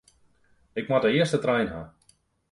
Ik moat de earste trein ha.